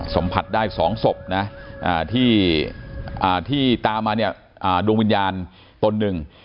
สัมผัสได้๒ศพนะที่ตามมาเนี่ยดวงวิญญาณตนหนึ่ง